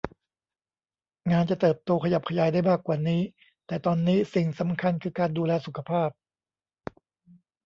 งานจะเติบโตขยับขยายได้มากกว่านี้ แต่ตอนนี้สิ่งสำคัญคือการดูแลสุขภาพ